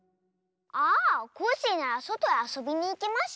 ああコッシーならそとへあそびにいきましたわ。